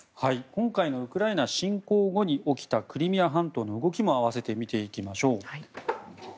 今回のウクライナ侵攻後に起きたクリミア半島の動きも併せて見ていきましょう。